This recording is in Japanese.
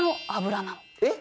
えっ！